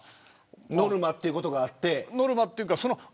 ノルマということがあって。